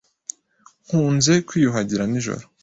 Nkunze kwiyuhagira nijoro.